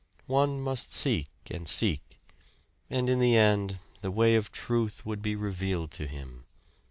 One must seek and seek; and in the end the way of truth would be revealed to him.